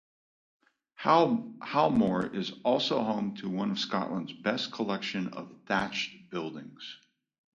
Howmore is also home to one of Scotland's best collections of thatched buildings.